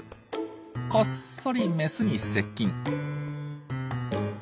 こっそりメスに接近。